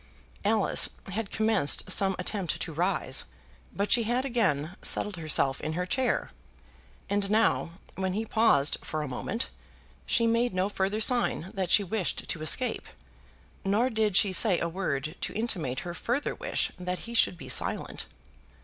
Alice had commenced some attempt to rise, but she had again settled herself in her chair. And now, when he paused for a moment, she made no further sign that she wished to escape, nor did she say a word to intimate her further wish that he should be silent.